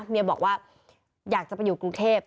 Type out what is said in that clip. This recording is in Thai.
เมียบอกว่าอยากจะไปอยู่กรุงเทพ